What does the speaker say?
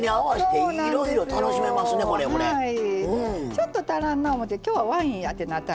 ちょっと足らんなって思て「今日はワインやってなったらね